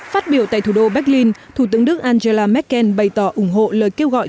phát biểu tại thủ đô berlin thủ tướng đức angela merkel bày tỏ ủng hộ lời kêu gọi